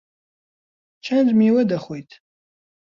چەند میوە دەخۆیت؟